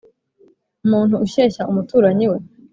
umuntu ushyeshya umuturanyi we,